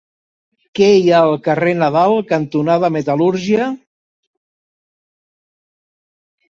Què hi ha al carrer Nadal cantonada Metal·lúrgia?